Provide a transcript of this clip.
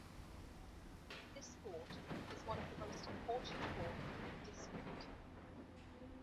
This fort is one of the important forts in the district.